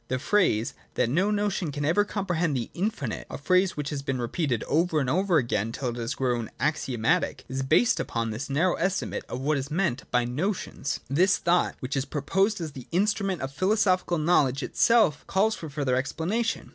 The phrase, that no notion can ever comprehend the Infinite, a phrase which has been repeated over and over again till it has grown axiomatic, is based upon this narrow estimate of what is meant by notions. 10.] This thought, which is proposed as the instru ment of philosophic knowledge, itself calls for further explanation.